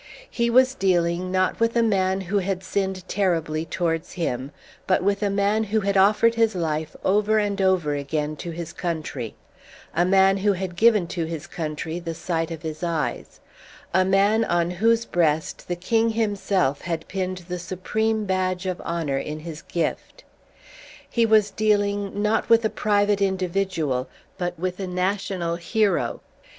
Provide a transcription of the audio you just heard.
He was dealing not with a man who had sinned terribly towards him, but with a man who had offered his life over and over again to his country, a man who had given to his country the sight of his eyes, a man on whose breast the King himself had pinned the supreme badge of honour in his gift. He was dealing, not with a private individual, but with a national hero.